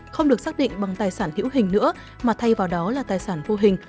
không được xác định bằng tài sản hữu hình nữa mà thay vào đó là tài sản vô hình